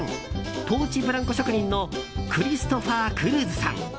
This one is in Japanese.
ポーチブランコ職人のクリストファー・クルーズさん。